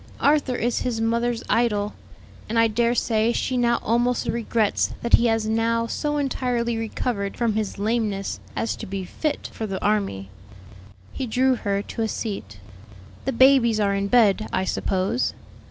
Arthur is his mother's idol, and I dare say she now almost regrets that he has now so entirely recovered from his lameness as to be fit for the army." He drew her to a seat. "The babies are in bed, I suppose?"